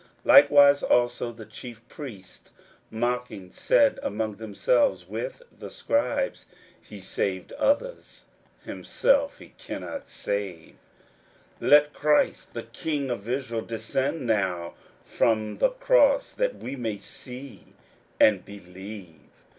41:015:031 Likewise also the chief priests mocking said among themselves with the scribes, He saved others; himself he cannot save. 41:015:032 Let Christ the King of Israel descend now from the cross, that we may see and believe.